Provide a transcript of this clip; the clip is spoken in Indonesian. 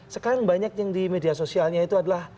sekarang banyak yang di media sosialnya itu adalah